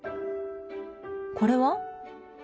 これは？